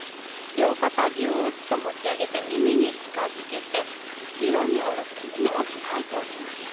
両肩ぐっと持ち上げて耳に近づけて後ろに下ろして胸を開いておきましょう。